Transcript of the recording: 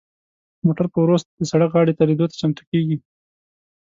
موټر په ورو د سړک غاړې دریدو ته چمتو کیږي.